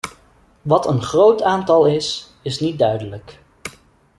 Wat een groot aantal is, is niet duidelijk.